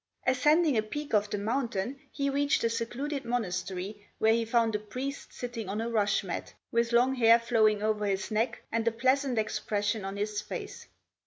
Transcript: Ascending a peak of the mountain he reached a secluded monastery where he found a priest sitting on a rush mat, with long hair flowing over his neck, and a pleasant expression on his face.